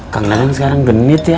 kang dandan sekarang genit ya